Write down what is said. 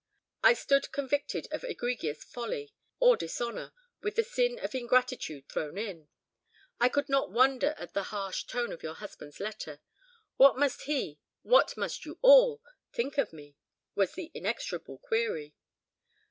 "I stood convicted of egregious folly, or dishonour, with the sin of ingratitude thrown in. I could not wonder at the harsh tone of your husband's letter. What must he—what must you all—think of me? was the inexorable query.